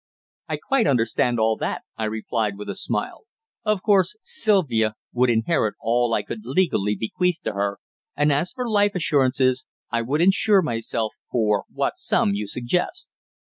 "I quite understand all that," I replied, with a smile. "Of course, Sylvia would inherit all I could legally bequeath to her, and as for life assurances, I would insure myself for what sum you suggest."